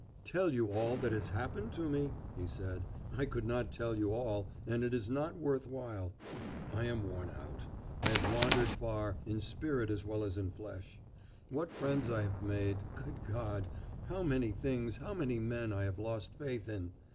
'Tell you all that has happened to me?' he said; 'I could not tell you all, and it is not worth while. I am worn out; I have wandered far in spirit as well as in flesh. What friends I have made good God! How many things, how many men I have lost faith in!